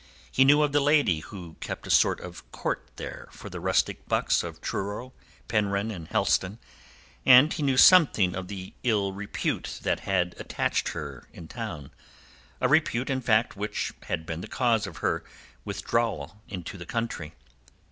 He knew of the lady who kept a sort of court there for the rustic bucks of Truro, Penryn, and Helston, and he knew something of the ill repute that had attached to her in town—a repute, in fact, which had been the cause of her withdrawal into the country.